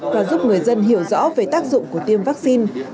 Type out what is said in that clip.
và giúp người dân hiểu rõ về tác dụng của tiêm vaccine